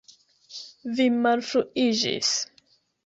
Vi malfruiĝis!